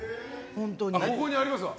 ここにあります。